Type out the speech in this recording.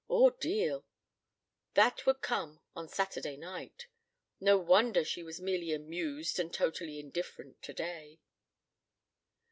Ordeal! That would come on Saturday night. No wonder she was merely amused and totally indifferent today!